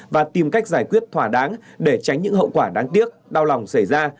và tìm cách giải quyết thỏa đáng để tránh những hậu quả đáng tiếc đau lòng xảy ra